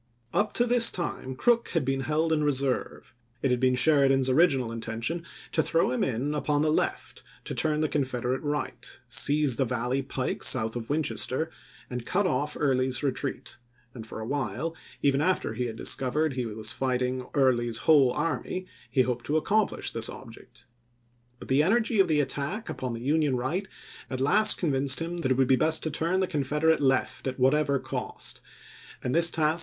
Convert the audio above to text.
Up to this time Crook had been held in reserve ; it had been Sheridan's original intention to throw him in upon the left to turn the Confederate right, seize the Valley pike south of Winchester, and cut off Early's retreat ; and for a while, even after he had discovered that he was fighting Early's whole army, he hoped to accomplish this object. But the energy of the attack upon the Union right at last convinced him that it would be best to turn the 302 ABRAHAM LINCOLN SHEKIDAN IN THE SHENANDOAH 303 Confederate left at whatever cost, and this task ch.